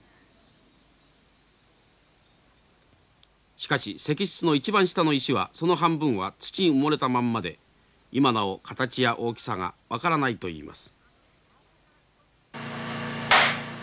しかし石室の一番下の石はその半分は土に埋もれたまんまで今なお形や大きさが分からないといいます。